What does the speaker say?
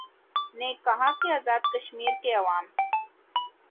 نے کہا کہ آزادکشمیر کےعوام